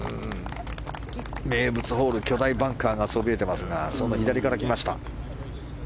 名物ホール巨大バンカーがそびえていますがその左からきました。